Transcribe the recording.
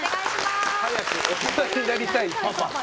「＃早く大人になりたいパパ」。